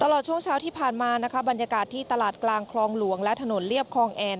ตลอดช่วงเช้าที่ผ่านมานะคะบรรยากาศที่ตลาดกลางคลองหลวงและถนนเรียบคลองแอน